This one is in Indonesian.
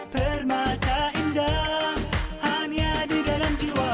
permata indah hanya di dalam jiwa